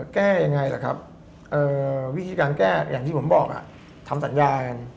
แก้ยังไงล่ะครับวิธีการแก้อย่างที่ผมบอกทำสัญญากัน